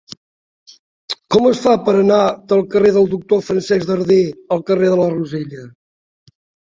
Com es fa per anar del carrer del Doctor Francesc Darder al carrer de la Rosella?